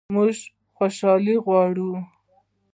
موږ خوشحالي غواړو